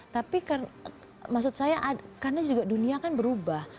tapi maksud saya karena juga dunia kan berubah